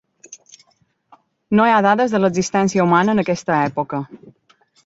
No hi ha dades de l'existència humana en aquesta època.